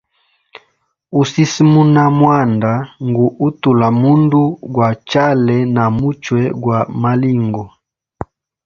Usisimuna mwanda ngu utula mundu gwa chale na muchwe gwa malingo.